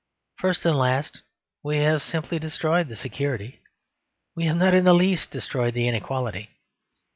First and last, we have simply destroyed the security. We have not in the least destroyed the inequality.